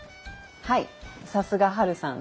はいさすがハルさん